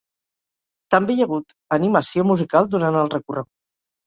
També hi ha hagut animació musical durant el recorregut.